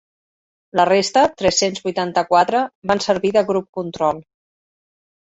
La resta, tres-cents vuitanta-quatre, van servir de grup control.